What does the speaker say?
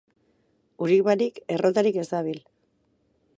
Urik barik errotarik ez dabil.